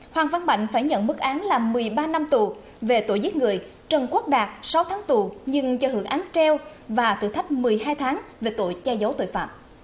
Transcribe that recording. hoàng văn mạnh phải nhận mức án là một mươi ba năm tù về tội giết người trần quốc đạt sáu tháng tù nhưng cho hưởng án treo và tử thách một mươi hai tháng về tội che giấu tội phạm